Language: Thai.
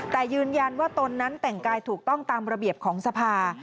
แต่ยืนยันว่าตนนั้นแต่งกายถูกต้องตามระเบียบของสภา